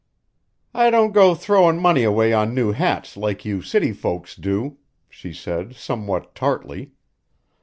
"I don't go throwin' money away on new hats like you city folks do," she said somewhat tartly.